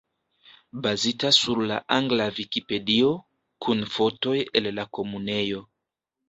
Bazita sur la angla Vikipedio, kun fotoj el la Komunejo.